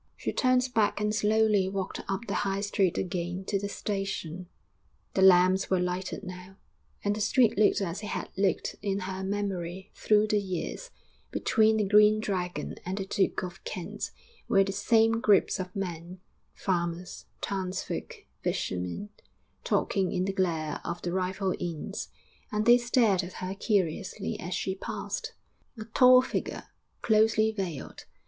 She turned back and slowly walked up the High Street again to the station. The lamps were lighted now, and the street looked as it had looked in her memory through the years; between the 'Green Dragon' and the 'Duke of Kent' were the same groups of men farmers, townsfolk, fishermen talking in the glare of the rival inns, and they stared at her curiously as she passed, a tall figure, closely veiled.